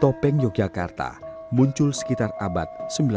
topeng yogyakarta muncul sekitar abad sembilan belas